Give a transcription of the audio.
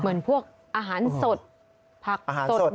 เหมือนพวกอาหารสดผักสด